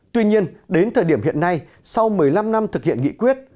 tuy nhiên đến thời điểm hiện nay sau một mươi năm năm thực hiện nghị quyết